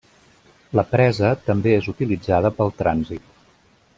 La presa també és utilitzada pel trànsit.